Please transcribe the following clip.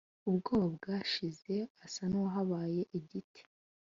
ubwoba bwashize asa nuwabaye igiti